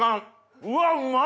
うわうまっ！